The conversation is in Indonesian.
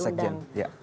ya dua kali di pasakjen